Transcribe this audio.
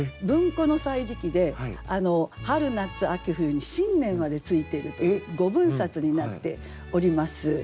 文庫の「歳時記」で「春」「夏」「秋」「冬」に「新年」までついているという５分冊になっております。